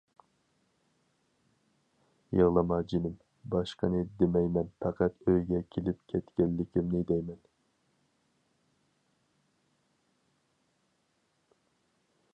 -يىغلىما جېنىم، باشقىنى دېمەيمەن پەقەت ئۆيگە كېلىپ كەتكەنلىكىمنى دەيمەن.